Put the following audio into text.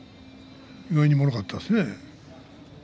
意外にもろかったですね。